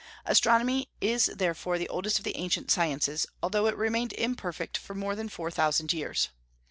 Astronomy is therefore the oldest of the ancient sciences, although it remained imperfect for more than four thousand years.